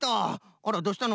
あらどうしたの？